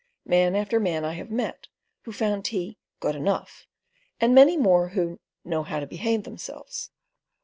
Man after man I have met who found tea "good enough," and many more who "know how to behave themselves."